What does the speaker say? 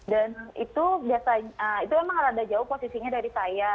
dan itu memang agak jauh posisinya dari saya